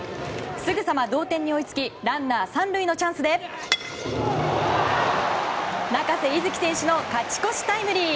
すぐさま同点に追いつきランナー３塁のチャンスで中瀬樹選手の勝ち越しタイムリー！